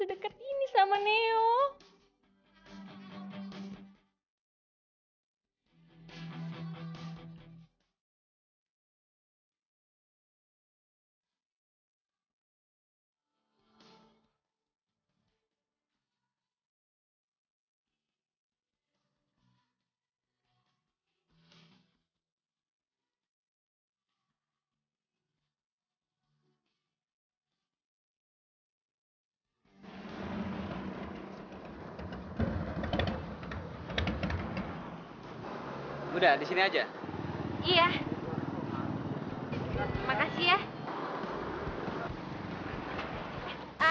terima kasih ya